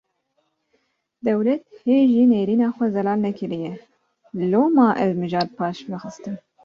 Dewlet hê jî nêrîna xwe zelal nekiriye, loma ev mijar paşve xistin